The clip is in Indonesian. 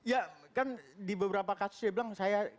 ya kan di beberapa kasus dia bilang saya